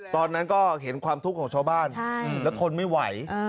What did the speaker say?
ตอนนั้นก็เห็นความทุกข์ของชาวบ้านแล้วทนไม่ไหว